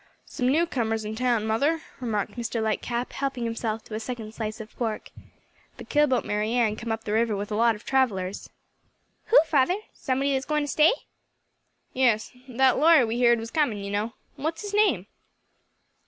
"Some new comers in town, mother," remarked Mr. Lightcap, helping himself to a second slice of pork. "The keelboat Mary Ann come up the river with a lot of travellers." "Who, father? somebody that's going to stay?" "Yes; that lawyer we heerd was comin', you know. What's his name?"